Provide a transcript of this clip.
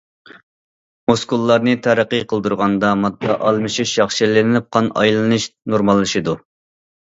مۇسكۇللارنى تەرەققىي قىلدۇرغاندا ماددا ئالمىشىش ياخشىلىنىپ، قان ئايلىنىش نورماللىشىدۇ.